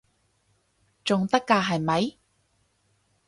仲得㗎係咪？